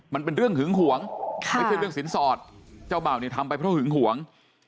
มันเป็นเรื่องหึงหวงไม่ใช่เรื่องสินสอดเจ้าเบ่าเนี่ยทำไปเพราะหึงหวง